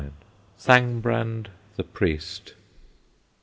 THANGBRAND THE PRIEST.